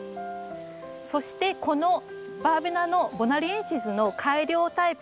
そしてこのバーベナのボナリエンシスの改良タイプ